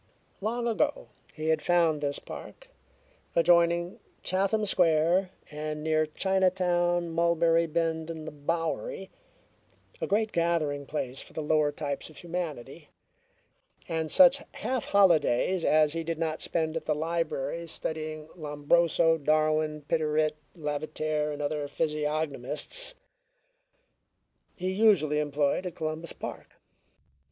Long ago he had found this park, adjoining Chatham Square and near Chinatown, Mulberry Bend and the Bowery, a great gathering place for the lower types of humanity, and such half holidays as he did not spend at the library studying Lombroso, Darwin, Piderit, Lavater, and other physiognomists, he usually employed at Columbus Park.